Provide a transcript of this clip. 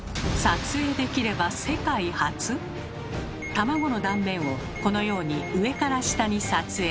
卵の断面をこのように上から下に撮影。